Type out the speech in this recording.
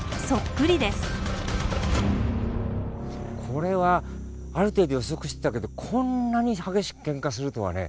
これはある程度予測してたけどこんなに激しくけんかするとはね